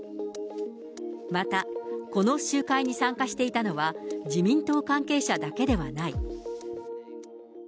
また、この集会に参加していたのは、自民党関係者だけではない。